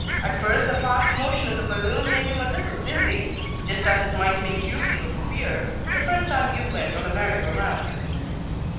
At first the fast motion in the balloon made him a little dizzy, just as it might make you feel queer the first time you went on a merry go 'round.